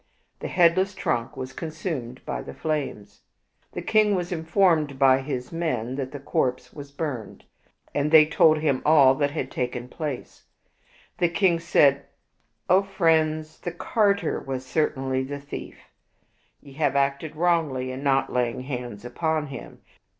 The headles.* trunk was con sumed by the flames. The king was infoimed by his men that the corpse was burned, and they told him all that had taken place. The king said, "O friends, the carter was certainly the thief. Ye have acted wrongly in not laying hands upon him.